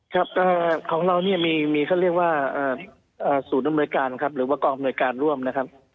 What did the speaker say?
ครับของเราเนี่ยมีเขาเรียกว่าศูนย์อำนวยการครับหรือว่ากองอำนวยการร่วมนะครับ